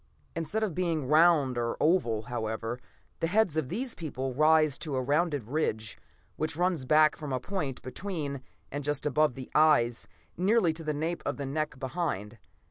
Instead of being round or oval, however, the heads of these people rise to a rounded ridge which runs back from a point between and just above the eyes, nearly to the nape of the neck behind.